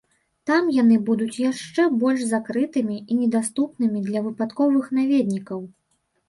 Там яны будуць яшчэ больш закрытымі і недаступнымі для выпадковых наведнікаў.